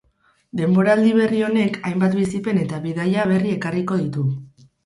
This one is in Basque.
Denboraldi berri honek hainbat bizipen eta bidaia berri ekarriko ditu.